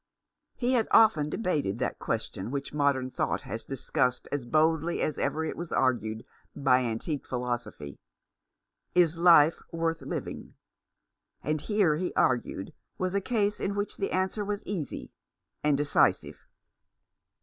He had often debated that question which modern thought has discussed as boldly as ever it was argued by antique philosophy, Is life worth living ? And here, he argued, was a case in which the answer was easy and decisive.